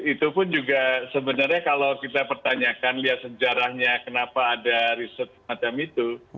itu pun juga sebenarnya kalau kita pertanyakan lihat sejarahnya kenapa ada riset macam itu